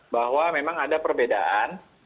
bahwa memang ada perbedaan